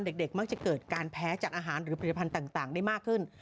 เด็กมักจะเกิดการแพ้จากอาหารหรือผลิตภัณฑ์ต่างได้มากขึ้น